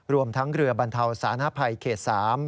รวมทั้งเรือบรรเทาสานภัยเขต๓